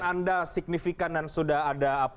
anda signifikan dan sudah ada